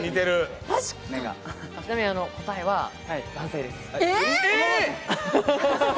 ちなみに答えは男性です。